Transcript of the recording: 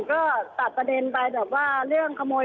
ก็ตัดประเด็นไปแบบว่าเรื่องขโมย